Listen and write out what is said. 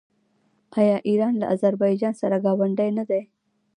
آیا ایران له اذربایجان سره ګاونډی نه دی؟